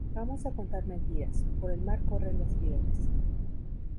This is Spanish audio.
Vamos a contar mentiras, por el mar corren las liebres